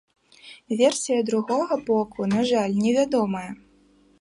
Версія другога боку, на жаль, невядомая.